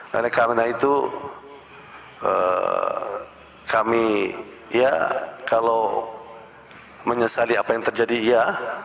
karena karena itu kami ya kalau menyesali apa yang terjadi ya